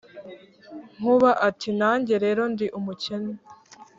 Nkuba ati « nanjye rero ndi umukene